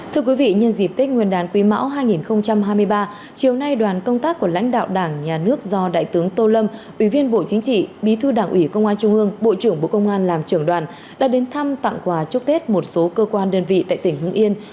thưa quý vị nhân dịp tết nguyên đán quý mão hai nghìn hai mươi ba chiều nay đoàn công tác của lãnh đạo đảng nhà nước do đại tướng tô lâm ủy viên bộ chính trị bí thư đảng ủy công an trung ương bộ trưởng bộ công an làm trưởng đoàn đã đến thăm tặng quà chúc tết một số cơ quan đơn vị tại tỉnh hưng yên